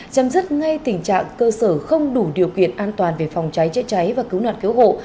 chấm dứt ngay tình trạng cơ sở không đủ điều kiện an toàn về phòng cháy chữa cháy và cứu nạn cứu hộ